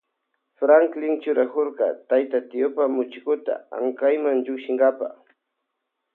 Franklin churakurka tayta tiopa muchikuta aknayma llukshinkapa.